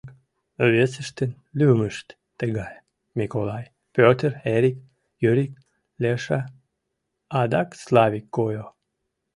Весыштын лӱмышт тыгае: Миколай, Пӧтыр, Эрик, Юрик, Леша, адак Славик гойо.